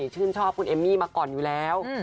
ชื่นชอบคุณเอมมี่มาก่อนอยู่แล้ว